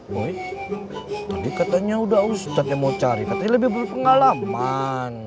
boy tadi katanya udah ustadz yang mau cari katanya lebih butuh pengalaman